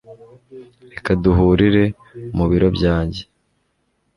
Reka duhurire mu biro byanjye